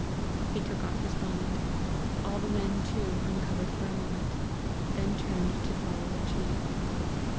He took off his bonnet. All the men too uncovered for a moment, then turned to follow their chief.